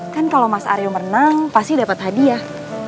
kan kalau mas aryo menang pasti dapat hadiah